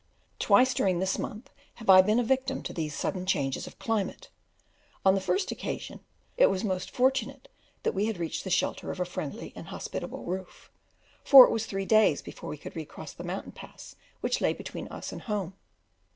Twice during this month have I been a victim to these sudden changes of climate; on the first occasion it was most fortunate that we had reached the shelter of a friendly and hospitable roof, for it was three days before we could re cross the mountain pass which lay between us and home.